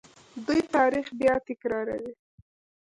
دوی تاریخ بیا تکراروي.